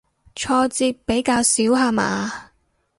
挫折比較少下嘛